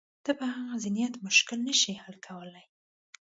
ته په هغه ذهنیت مشکل نه شې حل کولای.